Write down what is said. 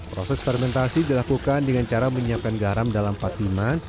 proses fermentasi dilakukan dengan cara menyiapkan garam dalam patiman